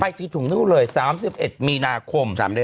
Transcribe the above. ไปที่ถุ่มรุ่นเลย๓๑มีนาคม